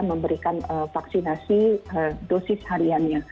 memberikan vaksinasi dosis hariannya